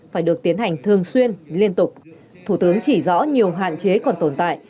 phải được tiến hành thường xuyên liên tục thủ tướng chỉ rõ nhiều hạn chế còn tồn tại